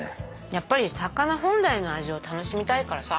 やっぱり魚本来の味を楽しみたいからさ。